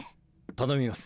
頼みます。